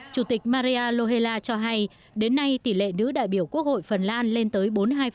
chủ tịch maria lohela cho hay đến nay tỷ lệ nữ đại biểu quốc hội phần lan lên tới bốn mươi hai